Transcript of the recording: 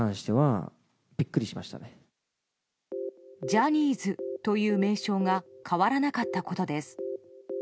ジャニーズという名称が変わらなかったことです。